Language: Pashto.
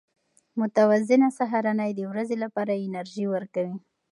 متوازنه سهارنۍ د ورځې لپاره انرژي ورکوي.